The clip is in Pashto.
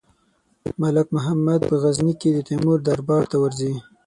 ملک محمد په غزني کې د تیمور دربار ته ورځي.